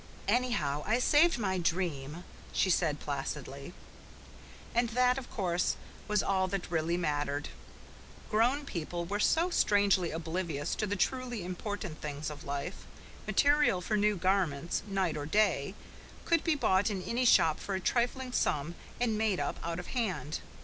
"Anyhow, I saved my dream," she said placidly. And that, of course, was all that really mattered. Grown people were so strangely oblivious to the truly important things of life. Material for new garments, of night or day, could be bought in any shop for a trifling sum and made up out of hand.